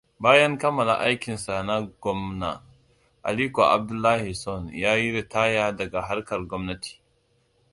Bayan kammala aikin sa na gwamna, Aliko Abdullahison yayi ritaya daga harkar gwamnati.